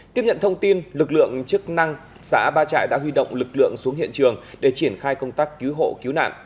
tiếp nhận thông tin lực lượng chức năng xã ba trại đã huy động lực lượng xuống hiện trường để triển khai công tác cứu hộ cứu nạn